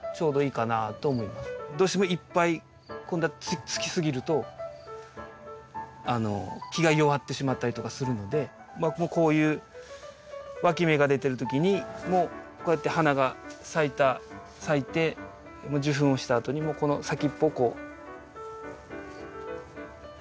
どうしてもいっぱい今度はつき過ぎると木が弱ってしまったりとかするのでまあこういうわき芽が出てる時にもこうやって花が咲いて受粉をしたあとにもこの先っぽをこう。